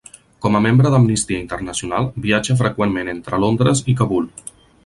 Com a membre d'Amnistia Internacional, viatja freqüentment entre Londres i Kabul.